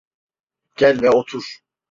Gel ve otur.